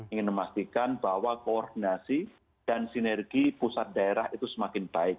ingin memastikan bahwa koordinasi dan sinergi pusat daerah itu semakin baik